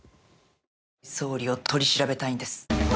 総理を取り調べたいんです。